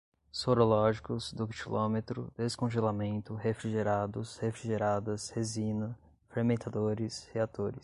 sorológicos, ductilômetro, descongelamento, refrigerados, refrigeradas, resina, fermentadores, reatores